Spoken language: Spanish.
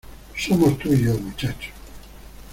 Somos tú y yo, muchacho.